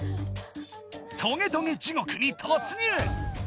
トゲトゲ地獄に突入！